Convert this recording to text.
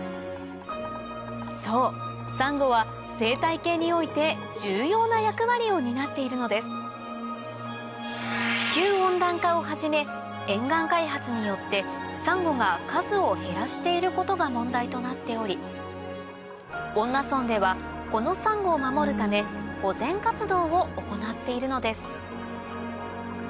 そうサンゴは生態系において重要な役割を担っているのです地球温暖化をはじめ沿岸開発によってサンゴが数を減らしていることが問題となっており恩納村ではこのサンゴを守るため保全活動を行っているのです